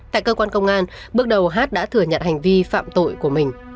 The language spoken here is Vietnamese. tại cơ quan công an bước đầu hát đã thừa nhận hành vi phạm tội của mình